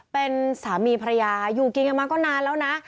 เป็นสามีภรรยาอยู่กินกันมาก็นานแล้วนะ